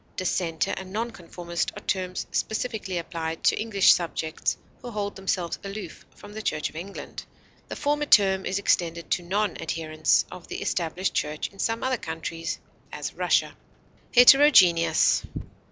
Dissenter and non conformist are terms specifically applied to English subjects who hold themselves aloof from the Church of England; the former term is extended to non adherents of the established church in some other countries, as Russia. HETEROGENEOUS.